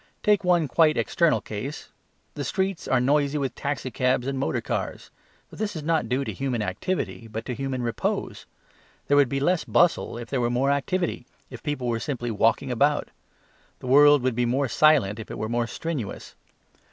Take one quite external case; the streets are noisy with taxicabs and motorcars; but this is not due to human activity but to human repose. There would be less bustle if there were more activity, if people were simply walking about. Our world would be more silent if it were more strenuous.